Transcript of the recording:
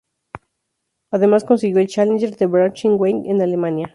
Además consiguió el challenger de Braunschweig en Alemania.